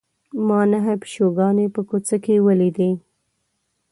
ما نهه پیشوګانې په کوڅه کې ولیدې.